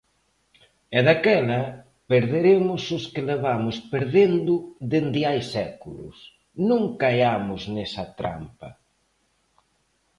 E daquela, perderemos os que levamos perdendo dende hai séculos; non caiamos nesa trampa.